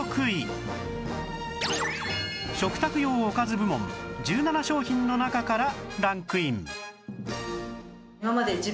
食卓用おかず部門１７商品の中からランクイン